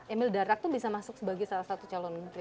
emil dardak tuh bisa masuk sebagai salah satu calon menteri